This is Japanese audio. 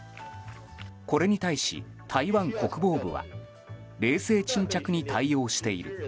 これに対し、台湾国防部は冷静沈着に対応している。